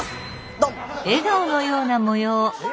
ドン。